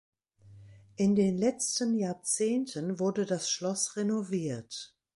In den letzten Jahrzehnten wurde das Schloss renoviert.